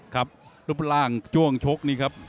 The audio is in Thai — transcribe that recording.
ครับรูปร่างช่วงชกนี่ครับ